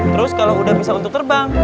terus kalau udah bisa untuk terbang